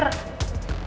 dia udah mati